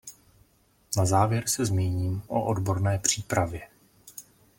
Na závěr se zmíním o odborné přípravě.